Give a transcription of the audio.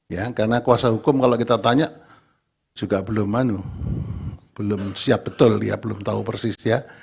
ya karena kuasa hukum kalau kita tanya juga belum siap betul ya belum tahu persis ya